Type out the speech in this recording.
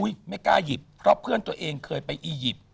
ไม่กล้าหยิบเพราะเพื่อนตัวเองเคยไปอียิปต์